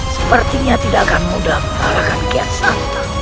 sepertinya tidak akan mudah memperbaiki kian santan